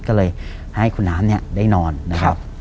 ก็เลยให้คุณน้ำเนี่ยได้นอนนะครับ